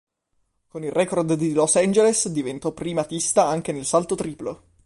Con il record di Los Angeles diventa primatista anche del salto triplo.